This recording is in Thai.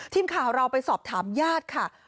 ทีมข่าวเราไปสอบถามญาติค่ะ